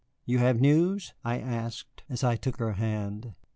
"You have news?" I asked, as I took her hand.